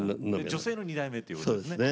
女性の２代目っていうことですね。